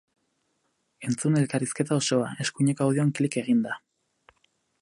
Entzun elkarrizketa osoa, eskuineko audioan kil eginda!